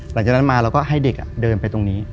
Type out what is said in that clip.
หลังจากนั้นมาเราก็ให้เด็กเดินไปตรงนี้